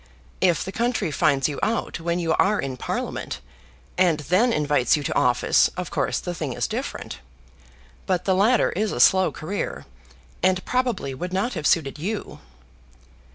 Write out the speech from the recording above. If the country finds you out when you are in Parliament, and then invites you to office, of course the thing is different. But the latter is a slow career, and probably would not have suited you."